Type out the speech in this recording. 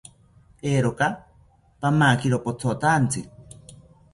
Eeroka, pamakiro pothotaantzi